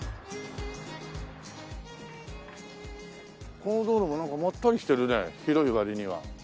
この道路もなんかまったりしてるね広い割には。